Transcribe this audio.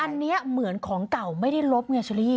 อันนี้เหมือนของเก่าไม่ได้ลบไงเชอรี่